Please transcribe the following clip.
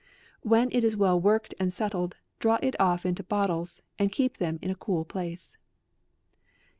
" When it is well worked and settled, draw it off into bottles, and keep them in a cool place.